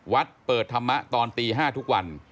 วัดเปิดธรรมะตอนตี๕ทุกวัน